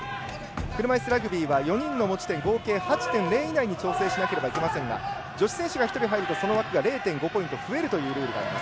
車いすラグビーは４人の持ち点合計８．０以内に調整しないといけませんが女子選手が入るとその枠が０．５ポイント増えるということになります。